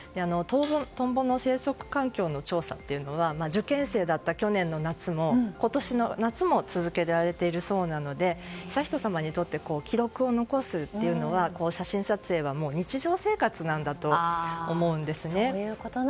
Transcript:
トンボの生息環境の調査というのは受験生だった去年の夏も今年の夏も続けられているそうなので悠仁さまにとって記録を残すというのは写真撮影は日常生活なんだと思うんですね。